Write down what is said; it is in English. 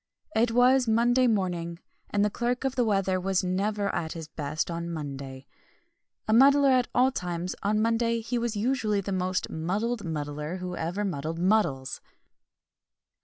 It was Monday morning, and the Clerk of the Weather was never at his best on Monday. A muddler at all times, on Monday he was usually the most muddled muddler who ever muddled muddles!